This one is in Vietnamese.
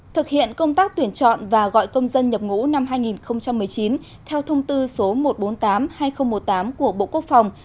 thực hiện công tác tuyển chọn và gọi công dân nhập ngũ năm hai nghìn một mươi chín theo thông tư số một trăm bốn mươi tám hai nghìn một mươi tám của bộ quốc phòng